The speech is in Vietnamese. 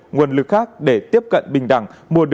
nguồn lực khác để tiếp cận bình đẳng